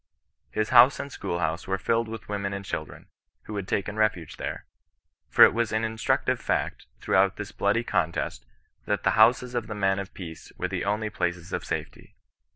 His house and schoolhouse were filled with women and children, who had taken refuge there : for it was an instructiye fact, throughout this bloody contest^ that the houses of the men of peace were the onlv places of safety.